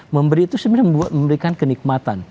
memberi itu sebenarnya memberikan kenikmatan